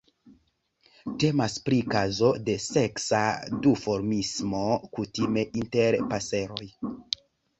Temas pri kazo de seksa duformismo, kutime inter paseroj.